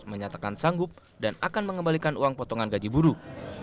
menyatakan sanggup dan akan mengembalikan uang potongan gaji buruh